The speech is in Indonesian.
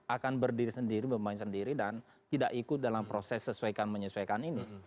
akan berdiri sendiri bermain sendiri dan tidak ikut dalam proses sesuaikan menyesuaikan ini